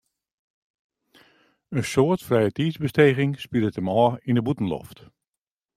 In soad frijetiidsbesteging spilet him ôf yn de bûtenloft.